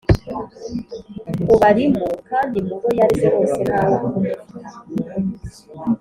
Ubarimo kandi mu bo yareze bose nta wo kumufata